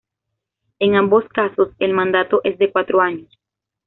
En ambos casos, el mandato es de cuatro años.